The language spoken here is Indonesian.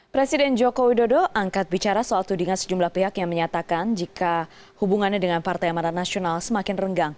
presiden joko widodo angkat bicara soal tudingan sejumlah pihak yang menyatakan jika hubungannya dengan partai amarat nasional semakin renggang